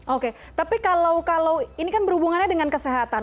oke tapi kalau ini kan berhubungannya dengan kesehatan